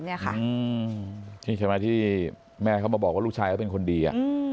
นี่ค่ะนี่ใช่ไหมที่แม่เขามาบอกว่าลูกชายเขาเป็นคนดี